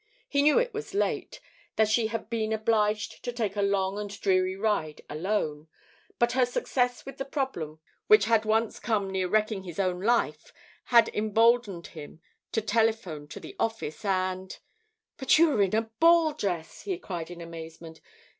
He knew it was late that she had been obliged to take a long and dreary ride alone, but her success with the problem which had once come near wrecking his own life had emboldened him to telephone to the office and "But you are in ball dress," he cried in amazement.